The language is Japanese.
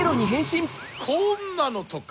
こんなのとか。